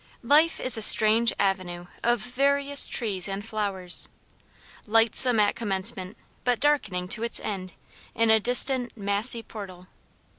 Life is a strange avenue of various trees and flowers; Lightsome at commencement, but darkening to its end in a distant, massy portal.